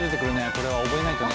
これは覚えないとな。